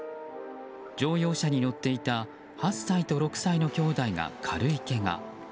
乗用車に乗っていた８歳と６歳の兄妹が軽いけが。